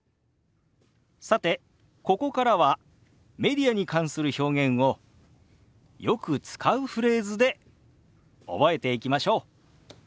さてここからはメディアに関する表現をよく使うフレーズで覚えていきましょう。